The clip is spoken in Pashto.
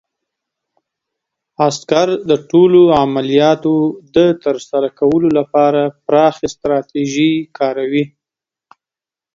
عسکر د ټولو عملیاتو د ترسره کولو لپاره پراخې ستراتیژۍ کاروي.